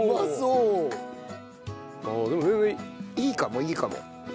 いいかもいいかも。